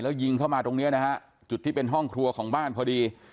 แล้วยิงเข้ามาตรงเนี้ยนะฮะจุดที่เป็นห้องครัวของบ้านพอดี